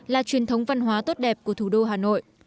là truyền thống văn hóa tốt đẹp của thủ đô hà nội